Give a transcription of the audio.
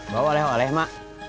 bawa oleh oleh mak